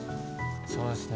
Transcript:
そうですね。